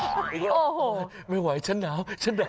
โว้ยไม่ไหวฉันหนาว